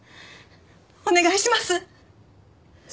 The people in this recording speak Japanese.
お願いします！